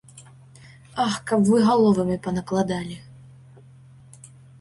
Ах, каб вы галовамі панакладалі!